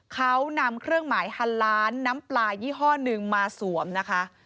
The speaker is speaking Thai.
เขานำเครื่องหมายฮันล้านน้ำปลายี่ห้อหนึ่งมาสวมนะคะ